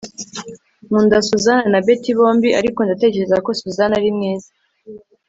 nkunda susan na betty bombi, ariko ndatekereza ko susan ari mwiza